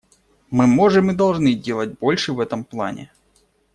Мы можем и должны делать больше в этом плане.